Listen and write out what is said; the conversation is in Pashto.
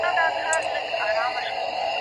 دا غړي د بدن توازن ساتي.